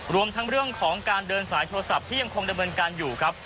รวมทั้งเรื่องของการเดินสายโทรศัพท์ที่ยังคงดำเนินการอยู่ครับ